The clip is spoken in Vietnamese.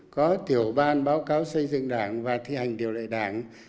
có tiểu ban báo cáo xây dựng đảng và thi hành điều lệ đảng